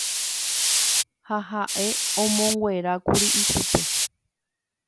Ha ha'e omonguerákuri ichupe.